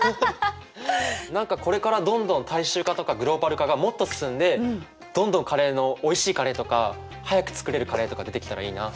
何かこれからどんどん大衆化とかグローバル化がもっと進んでどんどんカレーのおいしいカレーとか早く作れるカレーとか出てきたらいいな。